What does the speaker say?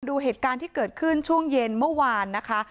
ดูเหตุการณ์ที่เกิดขึ้นช่วงเย็นเมื่อวานนะคะ